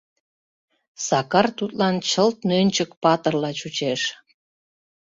Сакар тудлан чылт Нӧнчык-патырла чучеш.